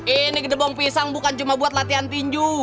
ini gerbong pisang bukan cuma buat latihan tinju